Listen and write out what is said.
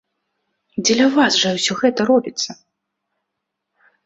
Дзеля вас жа ўсё гэта робіцца!